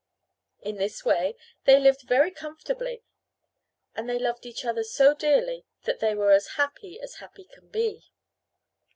In this way they lived very comfortably, and they loved each other so dearly that they were as happy as happy can be.